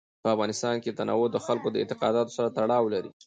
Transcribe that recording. په افغانستان کې تنوع د خلکو د اعتقاداتو سره تړاو لري.